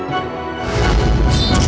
susah kabur pak